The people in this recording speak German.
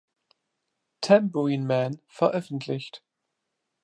Tambourine Man" veröffentlicht.